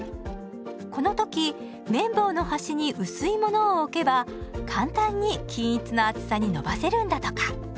この時めん棒の端に薄いものを置けば簡単に均一の厚さに伸ばせるんだとか。